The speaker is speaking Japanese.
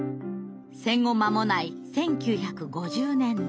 戦後間もない１９５０年代。